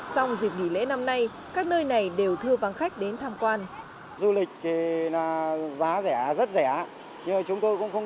song dịp nghỉ lễ năm nay các nơi này đều thưa vang khách đến tham quan